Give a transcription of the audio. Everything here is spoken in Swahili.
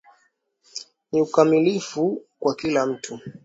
Ni ukamilifu kwa kila mtu.